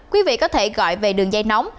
quý vị có thể gọi về đường dây nóng